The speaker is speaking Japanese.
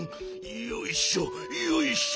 よいしょよいしょ。